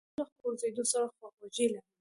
زه له ځورېدلو سره خواخوږي لرم.